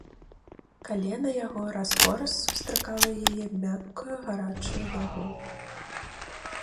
Калена яго раз-пораз сустракала яе мяккую гарачую нагу.